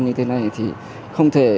như thế này thì không thể